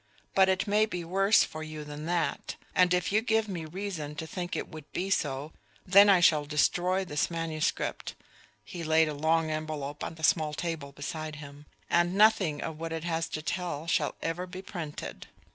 But it may be worse for you than that; and if you give me reason to think it would be so, then I shall destroy this manuscript" he laid a long envelop on the small table beside him "and nothing of what it has to tell shall ever be printed.